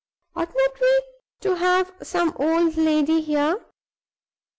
"Oughtn't we to have some old lady here?